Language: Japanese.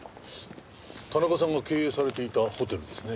田中さんが経営されていたホテルですね。